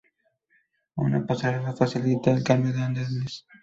Una pasarela facilita el cambio de andenes.